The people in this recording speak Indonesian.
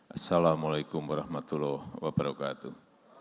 assalamu alaikum warahmatullahi wabarakatuh